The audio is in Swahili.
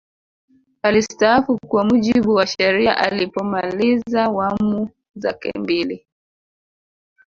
alistaafu kwa mujibu wa sheria alipomaliza wamu zake mbili